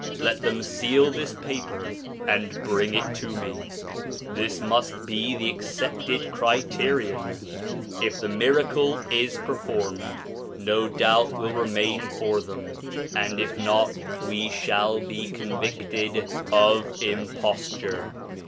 Let them seal this paper and bring it to me. This must be the accepted criterion : If the miracle is performed, no doubt will remain for them ; and if not, we shall be convicted of imposture.'